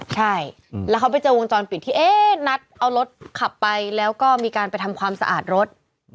ใช่แล้วเขาไปเจอวงจรปิดที่เอ๊ะนัดเอารถขับไปแล้วก็มีการไปทำความสะอาดรถ